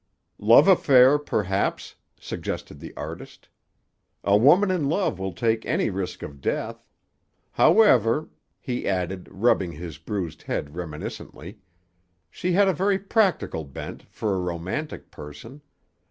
"Love affair, perhaps," suggested the artist. "A woman in love will take any risk of death. However," he added, rubbing his bruised head reminiscently, "she had a very practical bent, for a romantic person.